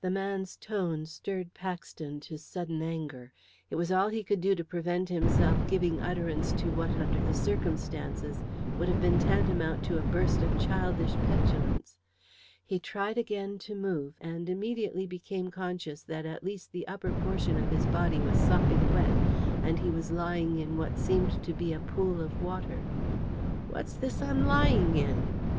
The man's tone stirred Paxton to sudden anger. It was all he could do to prevent himself giving utterance to what, under the circumstances, would have been tantamount to a burst of childish petulance. He tried again to move, and immediately became conscious that at least the upper portion of his body was sopping wet, and he was lying in what seemed to be a pool of water. "What's this I'm lying in?"